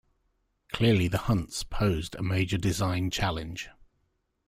Clearly the Hunts posed a major design challenge.